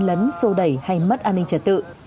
ở đâu đó như trên lấn sô đẩy hay mất an ninh trật tự